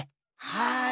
はい。